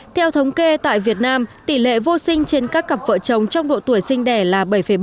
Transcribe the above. theo thống kê tại việt nam tỷ lệ vô sinh trên các cặp vợ chồng trong độ tuổi sinh đẻ là bảy bảy